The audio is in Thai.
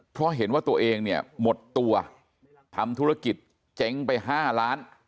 เพราะเห็นว่าตัวเองเนี่ยหมดตัวทำธุรกิจเจ๊งไป๕ล้าน